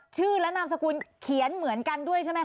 ชื่อและนามสกุลเขียนเหมือนกันด้วยใช่ไหมค